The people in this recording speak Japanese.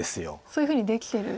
そういうふうにできてる。